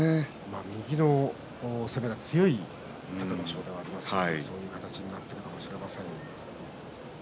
右の攻めが強い隆の勝ではありますから、そういう形になっているかもしれません。